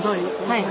はい。